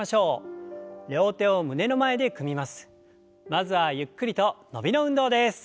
まずはゆっくりと伸びの運動です。